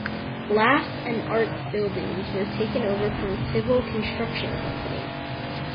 Blasts and arts buildings were taken over from civil construction companies.